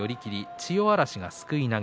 千代嵐がすくい投げ。